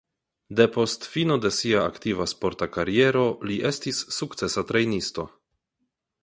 Depost fino de sia aktiva sporta kariero li estis sukcesa trejnisto.